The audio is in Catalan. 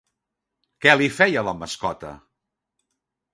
Què li feia la mascota?